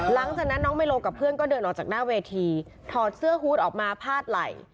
หลังจากนั้นน้องไมโลกับเพื่อนก็เดินออกจากหน้าเวทีถอดเสื้อฮูตออกมาพาดไหล่